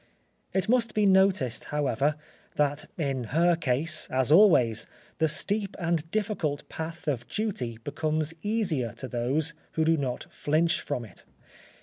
It must be noticed, however, that in her case, as always, the steep and difficult path of duty becomes easier to those who do not flinch from it.